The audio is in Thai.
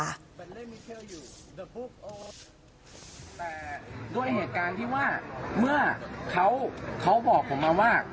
แต่ด้วยเหตุการณ์ที่ว่าเมื่อเขาบอกผมมาว่า